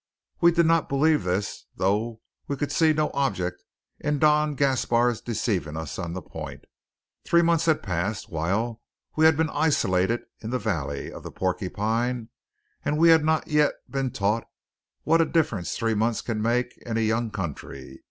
We did not believe this, though we could see no object in Don Gaspar's deceiving us on the point. Three months had passed while we had been isolated in the valley of the Porcupine; and we had not yet been taught what a difference three months can make in a young country.